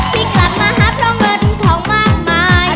ที่กลับมาหาเพราะเงินทองมากมาย